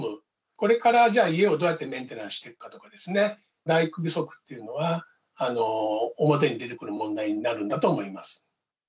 これからじゃあ、家をどうやってメンテナンスしていくかとかですね、大工不足というのは表に出てくる問題になるんだと思います。